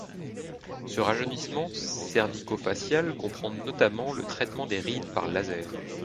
Ce rajeunissement cervicofacial comprend notamment le traitement des rides par laser.